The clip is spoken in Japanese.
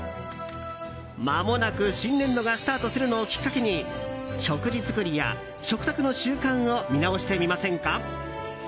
まもなく新年度がスタートするのをきっかけに食事作りや食卓の習慣を見直してみませんか？